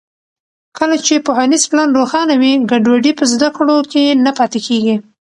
کله چې پوهنیز پلان روښانه وي، ګډوډي په زده کړو کې نه پاتې کېږي.